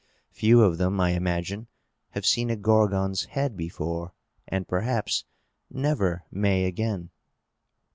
Few of them, I imagine, have seen a Gorgon's head before, and perhaps never may again!"